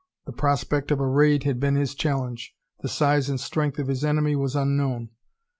The prospect of a raid had been his challenge; the size and strength of his enemy was unknown.